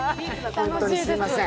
本当にすみません。